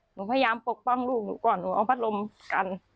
หนูพยายามปกป้องลูกหนูก่อนหนูเอาพัดลมกัน